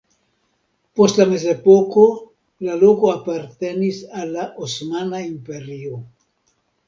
Post la mezepoko la loko apartenis al la Osmana Imperio.